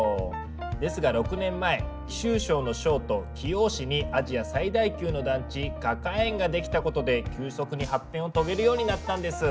ですが６年前貴州省の省都貴陽市にアジア最大級の団地花果園が出来たことで急速に発展を遂げるようになったんです。